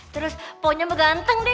terus po nya beganteng deh